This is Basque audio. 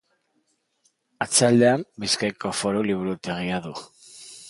Atzealdean, Bizkaiko Foru Liburutegia du.